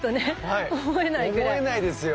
はい思えないですよ。